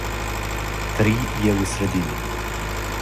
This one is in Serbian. три је у средини